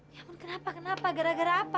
ya ampun kenapa kenapa gara gara apa